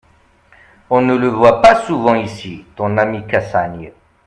On ne le voit pas souvent ici, ton ami Cassagne.